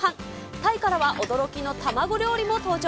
タイからは驚きの卵料理も登場。